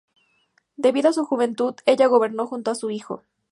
Debido a su juventud, ella gobernó junto a su hijo.